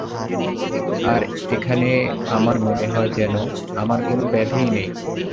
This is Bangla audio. আর এখানে আমার মনে হয় যেন আমার কোন ব্যাধিই নেই।